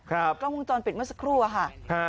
กล้องวงจรปิดเมื่อสักครู่อะค่ะ